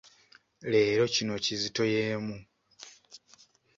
Leero kino kizitoyeemu.